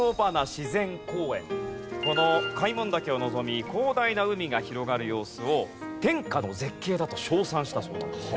この開聞岳を望み広大な海が広がる様子を「天下の絶景だ」と称賛したそうなんです。